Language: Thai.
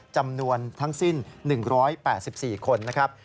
จำนวนทั้งสิ้น๑๘๔คนนะครับ